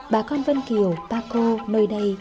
bà con vân kiều ba cô nơi đây